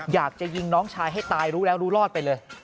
อยากจะยิงน้องชายให้ตายรู้แล้วรู้รอดไปเลย